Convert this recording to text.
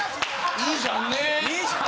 「いいじゃんね」